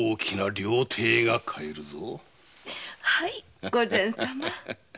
はい御前様。